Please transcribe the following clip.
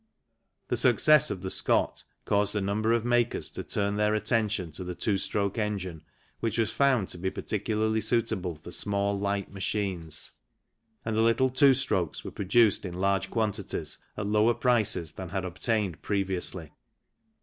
The success of the Scott caused a number of makers to turn their attention to the two stroke engine, which was found to be particularly suitable for small light machines, and the little two strokes were produced in large quan tities at lower prices than had obtained previously.